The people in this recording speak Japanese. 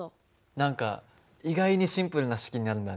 何か意外にシンプルな式になるんだね。